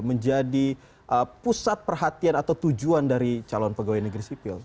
menjadi pusat perhatian atau tujuan dari calon pegawai negeri sipil